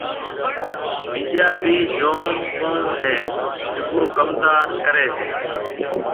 ٻِيجا ڀِي جوم ڪوم هيَ جڪو ڪمندار ڪريَ هيَ۔